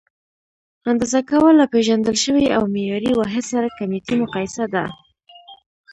اندازه کول: له پېژندل شوي او معیاري واحد سره کمیتي مقایسه ده.